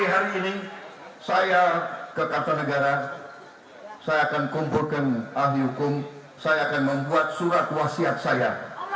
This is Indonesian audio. hari ini saya ke kartanegara saya akan kumpulkan ahli hukum saya akan membuat surat wasiat saya